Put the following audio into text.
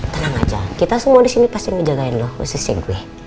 tenang aja kita semua di sini pasti ngejagain loh posisi gue